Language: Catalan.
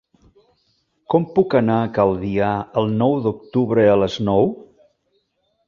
Com puc anar a Calvià el nou d'octubre a les nou?